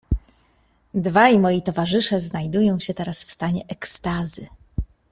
"Dwaj moi towarzysze znajdują się teraz w stanie ekstazy."